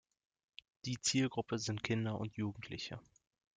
Die Zielgruppe sind Kinder und Jugendliche.